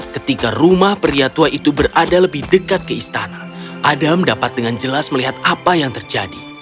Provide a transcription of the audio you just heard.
ketika rumah pria tua itu berada lebih dekat ke istana adam dapat dengan jelas melihat apa yang terjadi